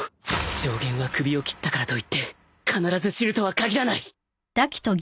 上弦は首を斬ったからといって必ず死ぬとは限らない